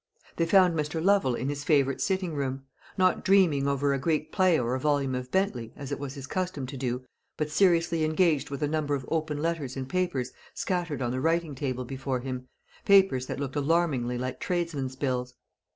They found Mr. Lovel in his favourite sitting room; not dreaming over a Greek play or a volume of Bentley, as it was his custom to do, but seriously engaged with a number of open letters and papers scattered on the writing table before him papers that looked alarmingly like tradesmen's bills.